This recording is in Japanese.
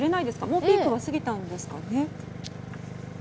もうピークは過ぎたんですかね？